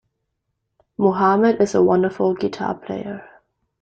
Mohammed is a wonderful guitar player.